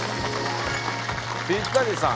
ピッタリさん